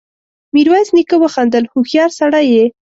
ميرويس نيکه وخندل: هوښيار سړی يې!